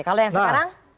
kalau yang sekarang